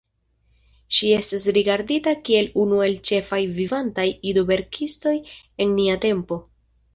Ŝi estas rigardita kiel unu el ĉefaj vivantaj ido-verkistoj en nia tempo.